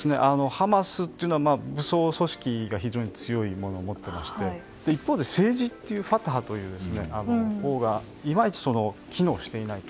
ハマスというのは武装組織が非常に強いものを持っていまして一方で政治というファタハがいまいち機能していないと。